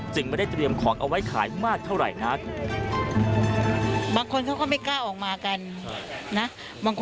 ไม่ได้เตรียมของเอาไว้ขายมากเท่าไหร่นัก